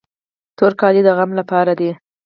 تور کالي د غم لپاره دي.